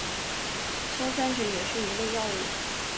硝酸酯也是一类药物。